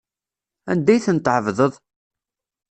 Anda ay ten-tɛebdeḍ?